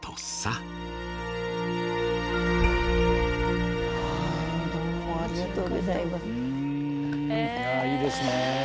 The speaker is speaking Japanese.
ああいいですね。